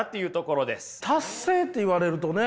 達成って言われるとね。